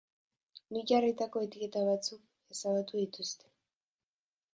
Nik jarritako etiketa batzuk ezabatu dituzte.